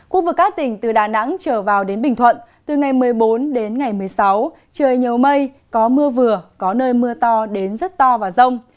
khu vực các tỉnh từ đà nẵng trở vào đến bình thuận từ ngày một mươi bốn đến ngày một mươi sáu trời nhiều mây có mưa vừa có nơi mưa to đến rất to và rông